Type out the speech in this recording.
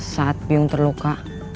saat bung terluka